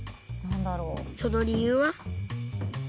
その理由は？